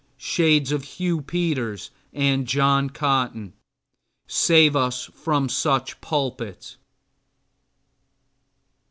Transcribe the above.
Shades of Hugh Peters and John Cotton, save us from such pulpits!